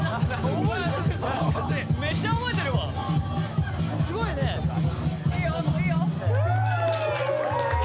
めっちゃ覚えてるわすごいね・いいよいいよフ！